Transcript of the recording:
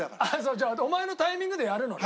じゃあお前のタイミングでやるのね？